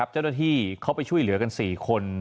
เจ้าหน้าที่เขาไปช่วยเหลือกัน๔คน